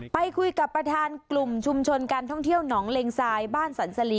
ไปคุยกับประธานกลุ่มชุมชนการท่องเที่ยวหนองเล็งทรายบ้านสรรสลี